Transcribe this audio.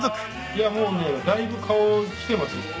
いやもうねだいぶ顔きてます。